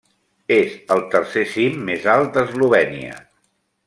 És el tercer cim més alt d'Eslovènia.